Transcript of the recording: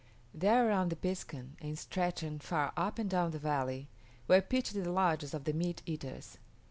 There around the piskun, and stretching far up and down the valley, were pitched the lodges of the meat eaters.